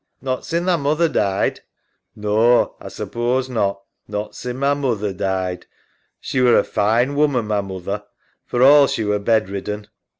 EMMA. Not sin' tha moother died. SAM. Naw. A suppose not. Not sin' ma moother died. She were a fine woman, ma moother, for all she were bed ridden.